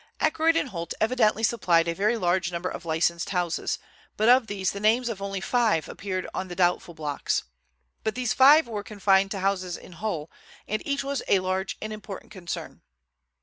Ackroyd & Holt evidently supplied a very large number of licensed houses, but of these the names of only five appeared on the doubtful blocks. But these five were confined to houses in Hull, and each was a large and important concern.